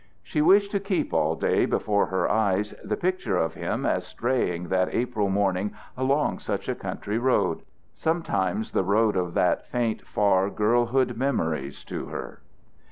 She wished to keep all day before her eyes the picture of him as straying that April morning along such a country road sometimes the road of faint far girlhood memories to her.